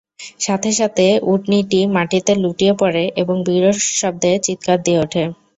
সাথে সাথে উটনীটি মাটিতে লুটিয়ে পড়ে এবং বিকট শব্দে চিৎকার দিয়ে ওঠে।